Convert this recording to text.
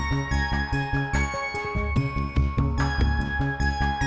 seseorang tetap jeril